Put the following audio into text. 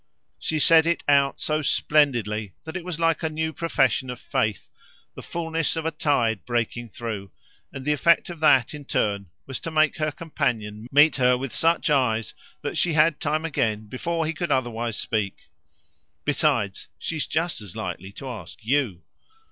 She said it out so splendidly that it was like a new profession of faith, the fulness of a tide breaking through; and the effect of that in turn was to make her companion meet her with such eyes that she had time again before he could otherwise speak. "Besides, she's just as likely to ask YOU."